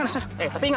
kejar kejar kejar